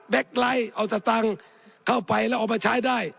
ไลท์เอาสตังค์เข้าไปแล้วเอามาใช้ได้